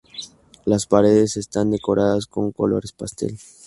Las paredes están decoradas con colores pastel.